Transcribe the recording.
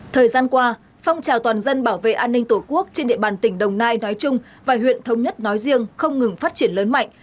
thời gian qua phong trào toàn dân bảo vệ an ninh tổ quốc trên địa bàn tỉnh đồng nai nói chung và huyện thống nhất nói riêng không ngừng phát triển lớn mạnh